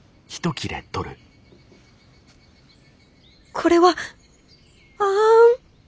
これはあん！